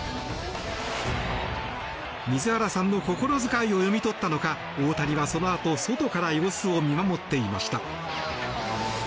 水原さんの心遣いを読み取ったのか大谷はそのあと外から様子を見守っていました。